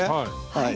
はい。